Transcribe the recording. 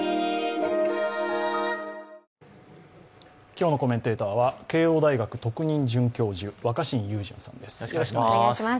今日のコメンテーターは慶応大学特任准教授若新雄純さんです。